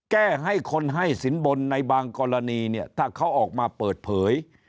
แก้ให้คนให้สินบนในบางกรณีเนี่ยถ้าเขาออกมาเปิดเผย